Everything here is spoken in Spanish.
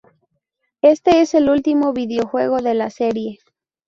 Este es el último videojuego de la serie.